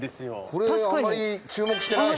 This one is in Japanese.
これあんまり注目してない。